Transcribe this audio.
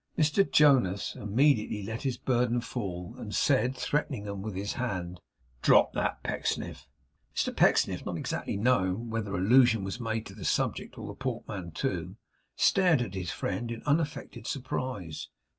Mr Jonas immediately let his burden fall, and said, threatening him with his hand: 'Drop that, Pecksniff!' Mr Pecksniff not exactly knowing whether allusion was made to the subject or the portmanteau, stared at his friend in unaffected surprise.